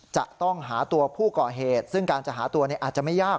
จะต้องหาตัวผู้ก่อเหตุซึ่งการจะหาตัวอาจจะไม่ยาก